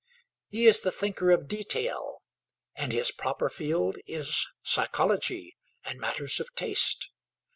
He is the thinker of detail, and his proper field is psychology and matters of taste.